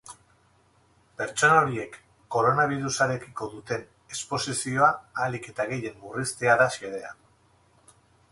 Pertsona horiek koronabirusarekiko duten esposizioa ahalik eta gehien murriztea da xedea.